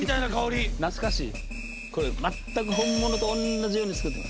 これ全く本物と同じように作ってます！